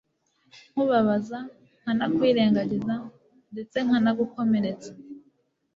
nkubabaza nkanakwirengagiza ndetse nkanagukomeretsa